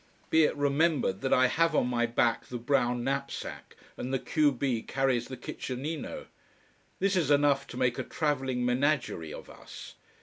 Be it remembered that I have on my back the brown knapsack, and the q b carries the kitchenino. This is enough to make a travelling menagerie of us.